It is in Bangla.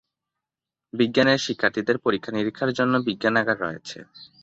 বিজ্ঞানের শিক্ষার্থীদের পরীক্ষা-নিরীক্ষার জন্য বিজ্ঞানাগার রয়েছে।